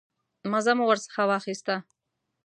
مزه مو ورڅخه واخیسته.